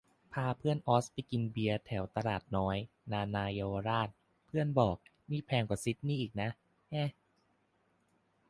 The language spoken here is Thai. พาเพื่อนออสไปกินเบียร์แถวตลาดน้อย นานาเยาวราช เพื่อนบอก นี่แพงกว่าซิดนีย์อีกนะ แหะ